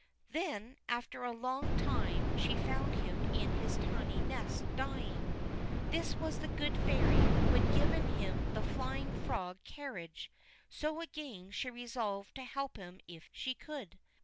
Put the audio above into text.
Then, after a long time, she found him in his tiny nest, dying. This was the Good Fairy who had given him the flying frog carriage, so again she resolved to help him if she could.